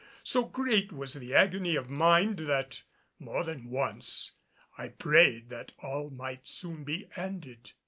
So great was the agony of mind that more than once I prayed that all might soon be ended.